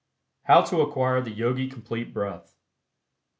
HOW TO ACQUIRE THE YOGI COMPLETE BREATH.